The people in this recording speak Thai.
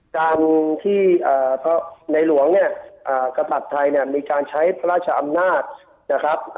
การที่ในหลวงเนี่ยกษัตริย์ไทยเนี่ยมีการใช้พระราชอำนาจนะครับ